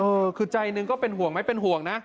เออคือใจหนึ่งก็เป็นห่วงไหมเป็นห่วงนะ